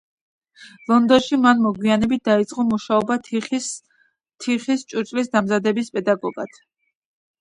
ლონდონში მან მოგვიანებით დაიწყო მუშაობა თიხის თიხის ჭურჭლის დამზადების პედაგოგად.